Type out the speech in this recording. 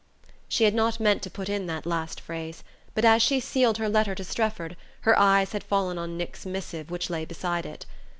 She had not meant to put in that last phrase; but as she sealed her letter to Strefford her eye had fallen on Nick's missive, which lay beside it.